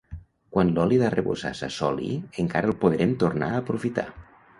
Quan l'oli d'arrebossar s'assoli encara el podrem tornar a aprofitar.